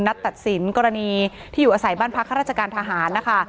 ตัดสินกรณีที่อยู่อาศัยบ้านพักข้าราชการทหารนะคะ